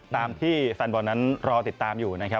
ตามที่แฟนบอลนั้นรอติดตามอยู่นะครับ